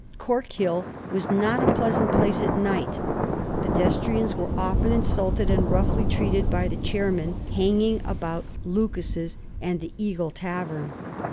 Cork Hill was not a pleasant place at night. Pedestrians were often insulted and roughly treated by the chair men hanging about Lucas's and the ^ Eagle ' Tavern.